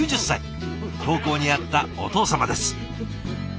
投稿にあったお父様です。